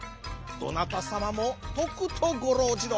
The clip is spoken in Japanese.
どなたさまもとくとごろうじろ。